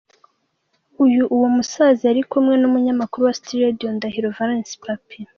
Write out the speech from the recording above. Uyu uwo musaza yari kumwe n’ umunyamakuru wa City Radio Ndahiro Valens Papi.